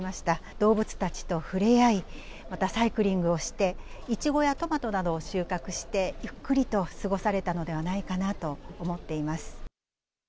動物たちと触れ合い、またサイクリングをして、イチゴやトマトなどを収穫して、ゆっくりと過ごされたのではないかなと思っています。